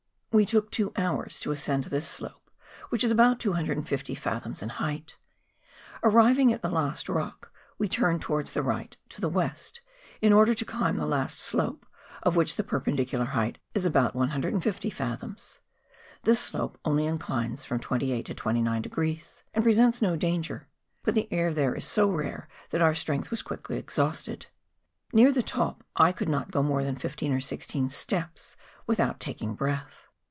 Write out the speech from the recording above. We took two hours to ascend this slope, which is about 250 fathoms in height. Arrived at the last rock, we turned towards the right, to the west, in order to climb the last slope, of which the perpendicular height is about 150 fathoms. This slope only inclines from 28 to 29 degrees, and presents no danger ; but the air there is so rare that our strength was quickly exhausted; near the top I could not go more than fifteen or sixteen steps without tak¬ ing breath.